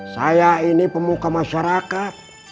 saya ini pemuka masyarakat